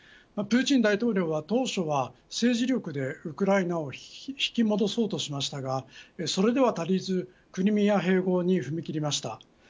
プーチン大統領は当初は政治力でウクライナを引き戻そうとしましたがそれでは足りずクリミア併合に踏み切りました。